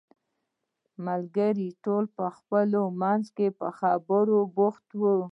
ملګري ټول په خپلو منځو کې په خبرو بوخت وو.